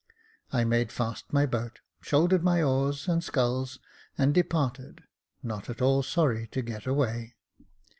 I made fast my boat, shouldered my oars and sculls, and departed, not at all sorry to get away.